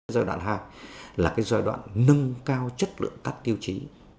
giai đoạn hai là giai đoạn nâng cao chất lượng các tiêu chí